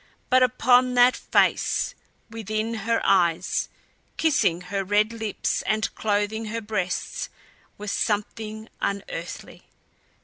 But upon that face, within her eyes, kissing her red lips and clothing her breasts, was something unearthly.